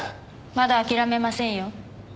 まだ諦めませんよ。